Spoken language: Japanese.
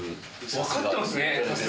分かってますね！